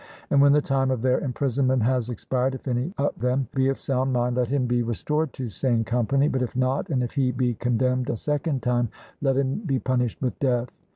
And when the time of their imprisonment has expired, if any of them be of sound mind let him be restored to sane company, but if not, and if he be condemned a second time, let him be punished with death.